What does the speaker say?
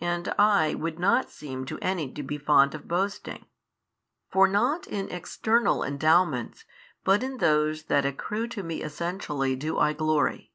And I would not seem to any to be fond of boasting: for not in external endowments but in those that accrue to Me Essentially do I glory.